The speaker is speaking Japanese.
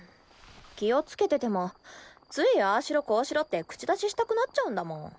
気をつけててもついああしろこうしろって口出ししたくなっちゃうんだもん。